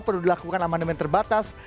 perlu dilakukan amandemen terbatas